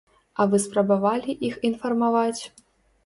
А вы спрабавалі іх інфармаваць?